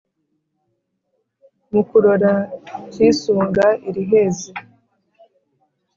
mukurora ikisunga iriheze